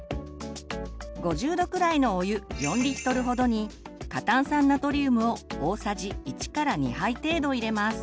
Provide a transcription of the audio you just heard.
５０℃くらいのお湯４ほどに過炭酸ナトリウムを大さじ１２杯程度入れます。